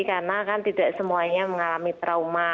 karena kan tidak semuanya mengalami trauma